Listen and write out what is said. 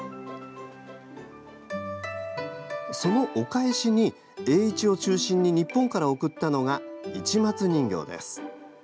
そのお返しに、栄一を中心に日本から贈ったのが市松人形です。